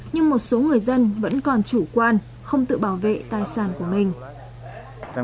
nhưng một số người dân vẫn còn chủ quan không tự bảo vệ tài sản của mình